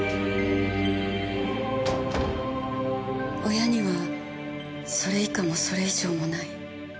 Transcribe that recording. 親にはそれ以下もそれ以上もない。